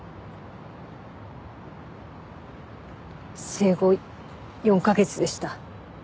生後４カ月でした。